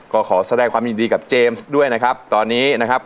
ก็ขอแสดงความยินดีกับเจมส์ด้วยนะครับตอนนี้นะครับ